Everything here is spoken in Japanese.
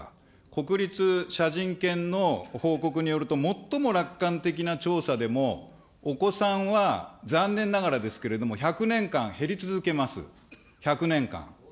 国立しゃじんけんの報告によると最も楽観的な調査でも、お子さんは残念ながらですけれども、１００年間減り続けます。